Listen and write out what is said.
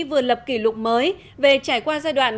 vừa lập kỷ lục mới về trải qua giai đoạn